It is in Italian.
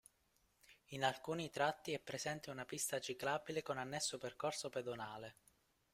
In alcuni tratti è presente una pista ciclabile con annesso percorso pedonale.